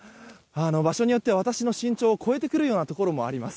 場所によっては私の身長を超えてくるようなところもあります。